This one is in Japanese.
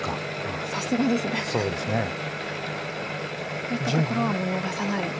こういったところはもう逃さない。